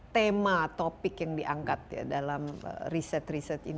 tema topik yang diangkat ya dalam riset riset ini